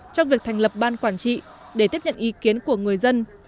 trong việc thành lập ban quản trị để tiếp nhận ý kiến của người dân